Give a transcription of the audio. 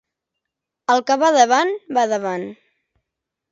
El que va davant va davant.